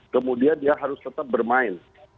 kemudian dia harus tetap bermain